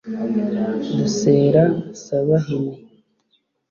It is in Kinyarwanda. Dusera Sabahini